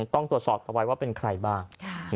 ต้องตรวจสอบเอาไว้ว่าเป็นใครบ้าง